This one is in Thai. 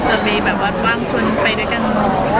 จะมีว่าว่าว่าว่างชวนไปด้วยกันมั้ย